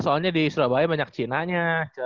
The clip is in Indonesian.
soalnya di surabaya banyak cinanya